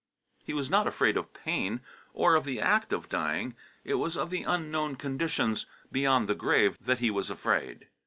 He was not afraid of pain, or of the act of dying; it was of the unknown conditions beyond the grave that he was afraid.